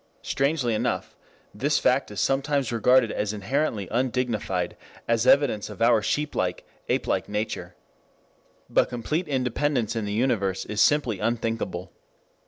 Strangely enough, this fact is sometimes regarded as inherently undignified, as evidence of our sheep like, ape like nature. But complete independence in the universe is simply unthinkable.